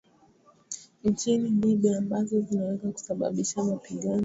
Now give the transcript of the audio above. nchini Libya ambazo zinaweza kusababisha mapigano